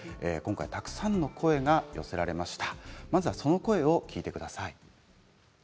たくさんの声が寄せられました。